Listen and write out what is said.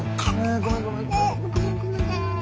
ごめんごめん。